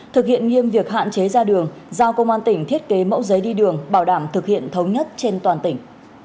thực hiện nghiêm việc hạn chế ra đường giao công an tỉnh thiết kế mẫu giấy đi đường bảo đảm thực hiện thống nhất trên toàn tỉnh